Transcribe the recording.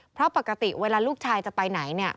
เพราะปกติเวลาลูกชายจะไปไหนเนี่ย